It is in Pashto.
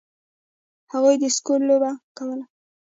هغوی د سکو لوبه کوله.